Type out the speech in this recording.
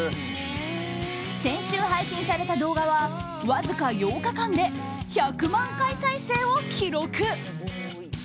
先週、配信された動画はわずか８日間で１００万回再生を記録。